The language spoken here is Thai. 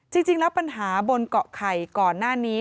จริงแล้วปัญหาบนเกาะไข่ก่อนหน้านี้